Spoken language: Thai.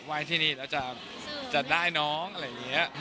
ว่ายที่นี่แล้วจะได้น้องอะไรอย่างนี้